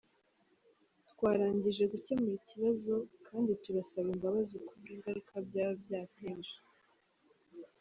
Twarangije gukemura ikibazo kandi turasaba imbabazi kubw’ingaruka byaba byateje.